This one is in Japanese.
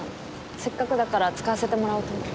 せっかくだから使わせてもらおうと思って。